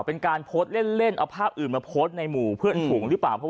เป็นการโพสต์เล่นเอาภาพอื่นมาโพสต์ในหมู่เพื่อนฝูงหรือเปล่า